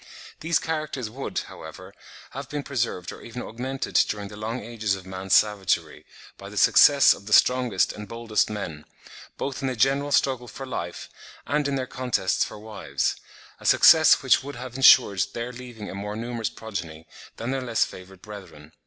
These characters would, however, have been preserved or even augmented during the long ages of man's savagery, by the success of the strongest and boldest men, both in the general struggle for life and in their contests for wives; a success which would have ensured their leaving a more numerous progeny than their less favoured brethren.